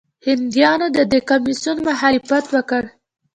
هندیانو د دې کمیسیون مخالفت وکړ.